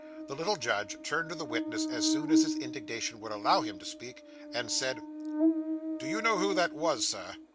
The little judge turned to the witness as soon as his indignation would allow him to speak, and said 'Do you know who that was, sir?